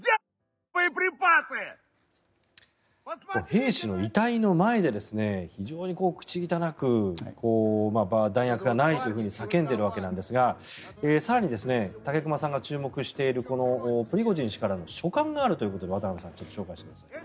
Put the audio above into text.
兵士の遺体の前で非常に口汚く弾薬がないというふうに叫んでいるわけですが更に、武隈さんが注目しているプリゴジン氏からの書簡があるということで渡辺さん紹介してください。